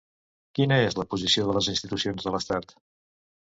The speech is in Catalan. Quina és la posició de les institucions de l'estat?